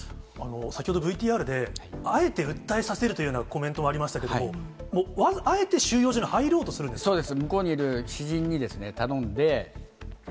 先ほどＶＴＲで、あえて訴えさせるというようなコメントもありましたけども、あえて収容所に入ろうとするんですか？